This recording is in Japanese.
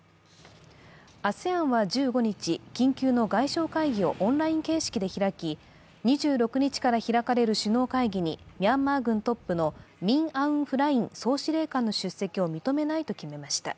ＡＳＥＡＮは１５日緊急の外相会議をオンライン形式で開き、２６日から開かれる首脳会議にミャンマー軍トップのミン・アウン・フライン総司令官の出席を認めないと決めました。